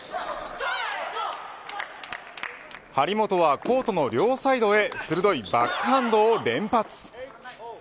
張本はコートの両サイドへ鋭いバックハンドを連発。